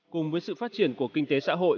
cùng với sự phát triển của kinh tế xã hội